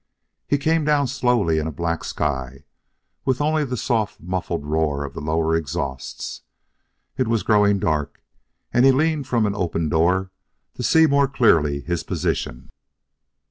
He came down slowly in a black sky, with only the soft, muffled roar of the lower exhausts. It was growing dark, and he leaned from an open door to see more clearly his position.